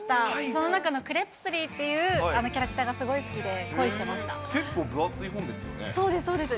その中のクレプスリーっていうキャラクターがすごく好きで、結構、そうです、そうです。